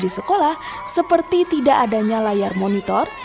di sekolah seperti tidak adanya layar monitor